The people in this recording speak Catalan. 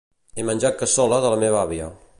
He menjat cassola de la meva àvia.